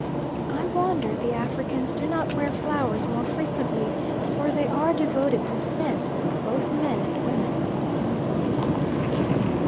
I wonder the Africans do not wear flowers more frequently, for they are devoted to scent, both men and women.